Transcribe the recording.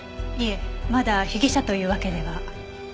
いえまだ被疑者というわけでは。